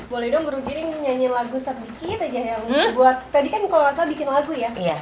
boleh dong buru giring nyanyi lagu sedikit aja yang buat tadi kan kalau gak salah bikin lagu ya